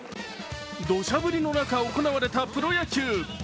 どしゃ降りの中行われたプロ野球。